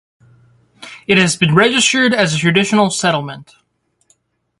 It has been registered as a traditional settlement.